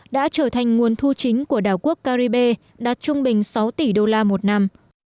đã trở thành nguồn thu chính của đảo quốc caribe đạt trung bình sáu tỷ đô la một năm